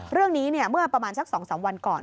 เรื่องนี้เมื่อประมาณสัก๒๓วันก่อน